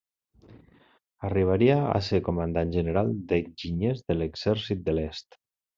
Arribaria a ser comandant general d'Enginyers de l'Exèrcit de l'Est.